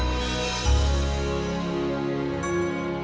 gua peduli kedegungan kan